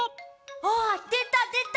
あっでたでた！